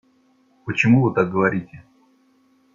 Почему Вы так говорите?